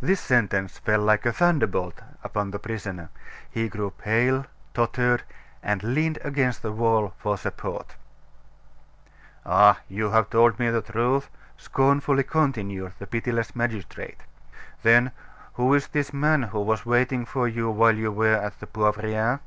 This sentence fell like a thunderbolt upon the prisoner; he grew pale, tottered, and leaned against the wall for support. "Ah! you have told me the truth!" scornfully continued the pitiless magistrate. "Then, who is this man who was waiting for you while you were at the Poivriere?